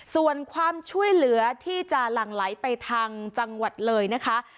ส่วนความช่วยเหลือที่จะหลั่งไหลไปทางจังหวัดเลยนะคะ